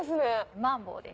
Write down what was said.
マンボウです。